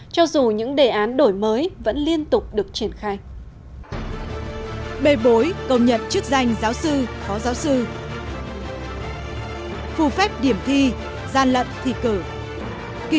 cho dù những đề án đổi mới vẫn liên tục được triển khai